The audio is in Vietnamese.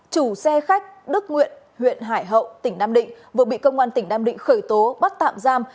chủ xe khách đức nguyện huyện hải hậu tỉnh nam định vừa bị công an tỉnh nam định khởi tố bắt tạm giam